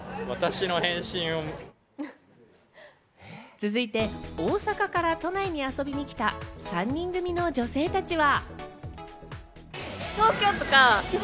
続いて、大阪から都内に遊びに来た３人組の女性たちは。